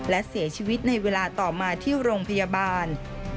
และเสียชีวิตในเวลาต่อมาที่โรงพยาบาล